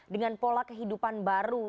dengan pola kehidupan baru